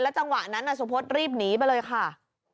จังหวะนั้นสุพธรีบหนีไปเลยค่ะ